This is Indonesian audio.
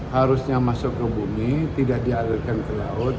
harusnya masuk ke bumi tidak dialirkan ke laut